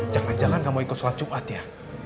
jangan jangan kamu ikut sholat jumat ya